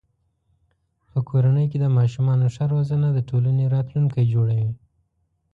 په کورنۍ کې د ماشومانو ښه روزنه د ټولنې راتلونکی جوړوي.